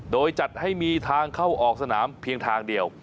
โดยจัดให้มีทางเข้าออกสนามเพียงทางเดียว